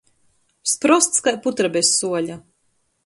Sprosts kai putra bez suoļa.